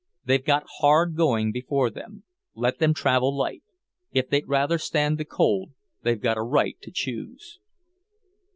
"They've got hard going before them; let them travel light. If they'd rather stand the cold, they've got a right to choose."